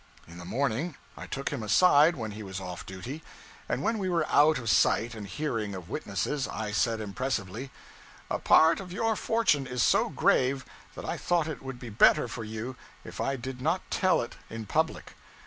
In the morning I took him aside when he was off duty; and when we were out of sight and hearing of witnesses, I said, impressively 'A part of your fortune is so grave, that I thought it would be better for you if I did not tell it in public.